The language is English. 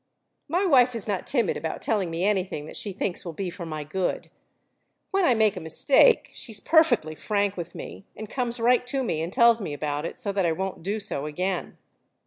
My wife is not timid about telling me anything that she thinks will be for my good. When I make a mistake she is perfectly frank with me, and comes right to me and tells me about it, so that I won't do so again.